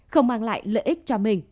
không mang lại lợi ích cho mình